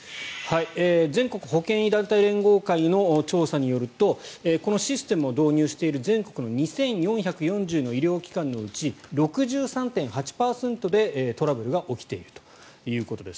全国保険医団体連合会の調査によるとこのシステムを導入している全国の２４４０の医療機関のうち６３．８％でトラブルが起きているということです。